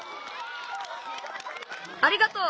ありがとう。